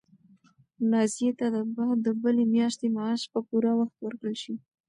نازیې ته به د بلې میاشتې معاش په پوره وخت ورکړل شي.